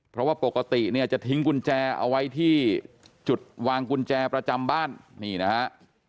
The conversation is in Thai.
เพราะว่าปกติเนี่ยจะทิ้งกุญแจเอาไว้ที่จุดวางกุญแจประจำบ้านนี่นะฮะ